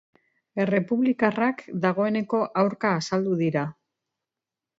Errepublikarrak dagoeneko aurka azaldu dira.